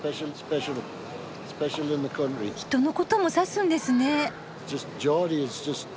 人のことも指すんですね。